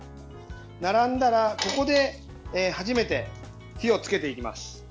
並んだら、ここで初めて火をつけていきます。